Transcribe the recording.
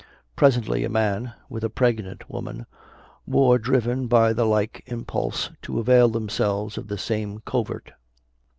Presently, a man, with a pregnant woman, wore driven by the like impulse to avail themselves of the same covert.